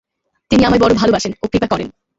তিনি আমায় বড় ভালবাসেন ও কৃপা করেন।